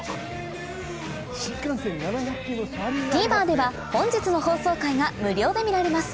ＴＶｅｒでは本日の放送回が無料で見られます